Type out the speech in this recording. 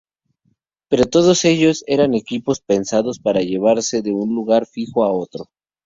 Pero todos ellos eran equipos pensados para llevarse de un lugar fijo a otro.